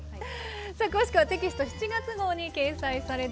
さあ詳しくはテキスト７月号に掲載されています。